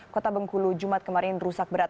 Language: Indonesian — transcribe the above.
kota bengkulu jumat kemarin rusak berat